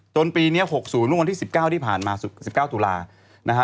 จนปีนี้๖๐วันที่๑๙ที่ผ่านมา๑๙ตุลาคม